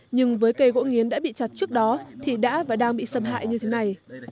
nhưng với cây gỗ nghiến đã bị chặt trước đó thì đã và đang bị xâm hại như thế này